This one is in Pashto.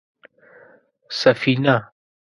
_سفينه؟